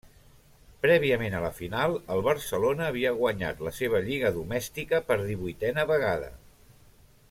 Prèviament a la final, el Barcelona havia guanyat la seva lliga domèstica per divuitena vegada.